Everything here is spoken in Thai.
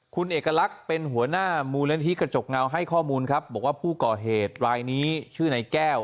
คุณเอกลักษณ์เป็นหัวหน้ามูลนิธิกระจกเงาให้ข้อมูลครับบอกว่าผู้ก่อเหตุรายนี้ชื่อนายแก้ว